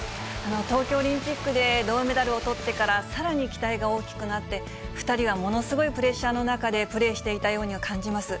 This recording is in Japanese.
東京オリンピックで銅メダルをとってからさらに期待が大きくなって、２人はものすごいプレッシャーの中でプレーしていたように感じます。